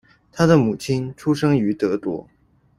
他的母亲出生于德国。